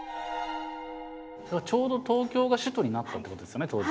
ちょうど東京が首都になったってことですよね当時。